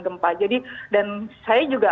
gempa jadi dan saya juga